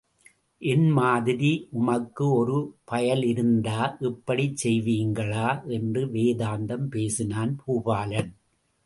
என் மாதிரி உமக்கு ஒரு பயல் இருந்தா இப்புடிச் செய்வீங்களா? என்று வேதாந்தம் பேசினான் பூபாலன்.